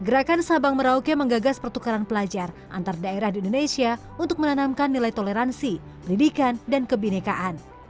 gerakan sabang merauke menggagas pertukaran pelajar antar daerah di indonesia untuk menanamkan nilai toleransi pendidikan dan kebinekaan